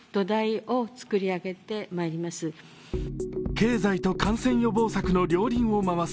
経済と感染予防策の両輪を回す、